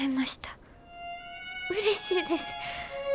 うれしいです。